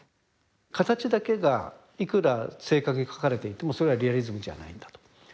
形だけがいくら正確に描かれていてもそれはリアリズムじゃないんだと。